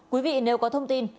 quý vị nếu có thông tin